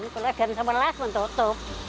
kota jansamerlas juga tutup